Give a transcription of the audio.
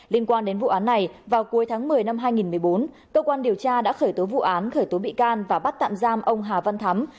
liên quan đến vụ án này vào cuối tháng một mươi năm hai nghìn một mươi bốn cơ quan điều tra đã khởi tố vụ án khởi tố bị can và bắt tạm giam ông hà văn thắm